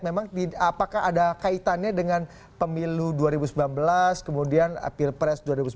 memang apakah ada kaitannya dengan pemilu dua ribu sembilan belas kemudian pilpres dua ribu sembilan belas